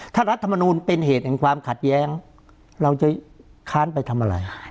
ถ้ารัฐมนูลเป็นเหตุแห่งความขัดแย้งเราจะค้านไปทำอะไร